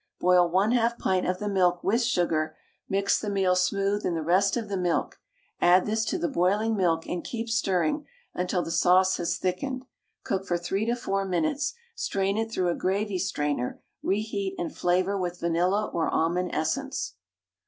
Boil 1/2 pint of the milk with sugar, mix the meal smooth in the rest of the milk, add this to the boiling milk and keep stirring until the sauce has thickened, cook for 3 to 4 minutes, strain it through a gravy strainer, re heat, and flavour with vanilla or almond essence.